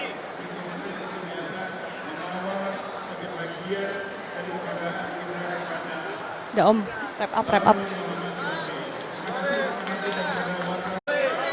dia ada lantai tapi juga lantai gaya rujak di sini